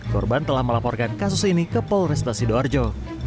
korban telah melaporkan kasus ini ke polrestasi sidoarjo